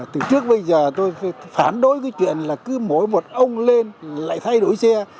từ trước bây giờ tôi phản đối cái chuyện là cứ mỗi một ông lên lại thay đổi xe